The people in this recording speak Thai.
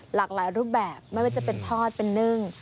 หลากหลายรูปแบบไม่ว่าจะเป็นทอดเป็นนึ่ง